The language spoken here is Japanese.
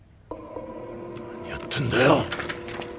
何やってんだよ！